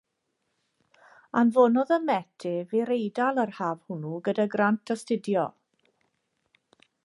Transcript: Anfonodd y Met ef i'r Eidal yr haf hwnnw gyda grant astudio.